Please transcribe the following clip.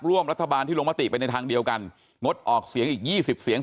ร่วมรัฐบาลที่ลงมติไปในทางเดียวกันงดออกเสียงอีก๒๐เสียง